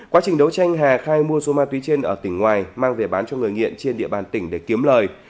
quá trình đấu tranh hà khai mua số ma túy trên ở tỉnh ngoài mang về bán cho người nghiện trên địa bàn tỉnh để kiếm lời